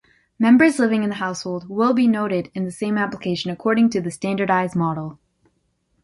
Members living in the household will be noted in the same application according to standardized model.